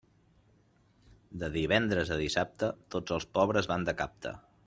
De divendres a dissabte, tots els pobres van de capta.